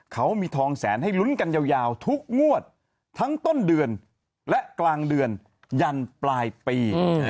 เขามีทองแสนให้ลุ้นกันยาวทุกงวดทั้งต้นเดือนและกลางเดือนยันปลายปี